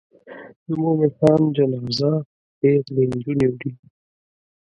د مومن خان جنازه پیغلې نجونې وړي.